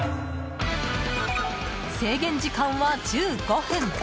制限時間は１５分。